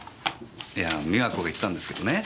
いや美和子が言ってたんですけどね